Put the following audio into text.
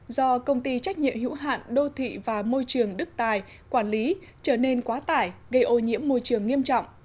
do công ty trách nhiệm hữu hạn đô thị và môi trường đức tài quản lý trở nên quá tải gây ô nhiễm môi trường nghiêm trọng